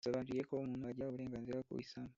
yabasobanuriye ko umuntu agira uburenganzira ku isambu